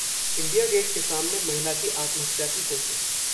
India Gate के सामने महिला की आत्महत्या की कोशिश